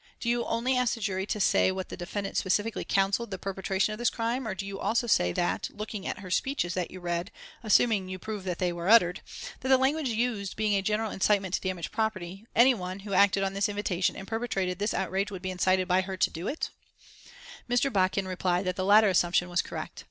Do you only ask the jury to say that the defendant specifically counselled the perpetration of this crime, or do you also say that, looking at her speeches that you read assuming you prove that they were uttered that the language used being a general incitement to damage property, any one who acted on this invitation and perpetrated this outrage would be incited by her to do it?" Mr. Bodkin replied that the latter assumption was correct.